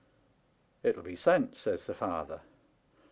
"* Itll be sent,' says the father.